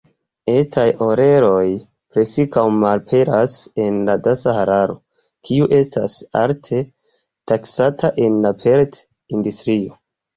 Etaj oreloj preskaŭ malaperas en densa hararo, kiu estas alte taksata en la pelt-industrio.